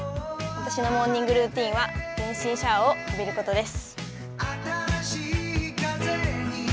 私のモーニングルーティンは全身シャワーを浴びることです。